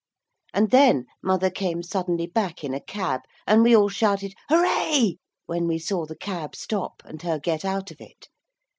And then mother came suddenly back in a cab, and we all shouted 'Hooray' when we saw the cab stop, and her get out of it.